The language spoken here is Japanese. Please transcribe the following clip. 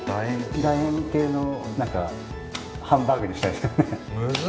楕円形のハンバーグにしたいです。